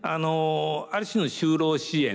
ある種の就労支援